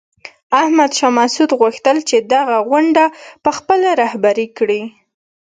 احمد شاه مسعود غوښتل چې دغه غونډه په خپله رهبري کړي.